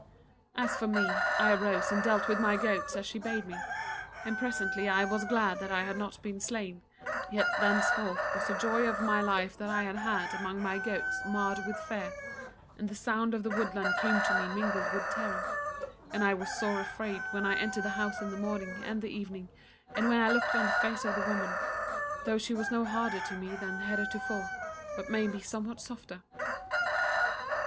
"As for me, I arose and dealt with my goats as she bade me; and presently I was glad that I had not been slain, yet thenceforth was the joy of my life that I had had amongst my goats marred with fear, and the sounds of the woodland came to me mingled with terror; and I was sore afraid when I entered the house in the morning and the evening, and when I looked on the face of the woman; though she was no harder to me than heretofore, but maybe somewhat softer.